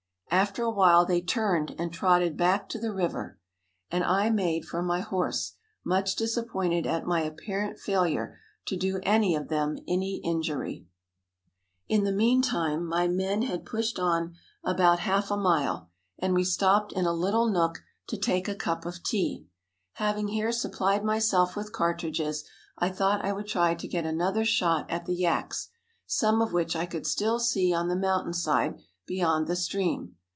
After awhile they turned and trotted back to the river, and I made for my horse, much disappointed at my apparent failure to do any of them any injury. [Illustration: ELAPHURUS DAVIDIANUS.] In the meantime my men had pushed on about half a mile, and we stopped in a little nook to take a cup of tea. Having here supplied myself with cartridges, I thought I would try to get another shot at the yaks, some of which I could still see on the mountain side beyond the stream.